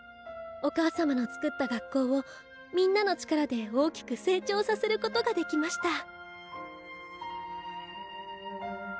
お母様のつくった学校をみんなの力で大きく成長させることができました。